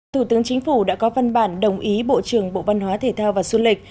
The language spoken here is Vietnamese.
thủ tướng chính phủ đã có văn bản đồng ý bộ trưởng bộ văn hóa thể thao và du lịch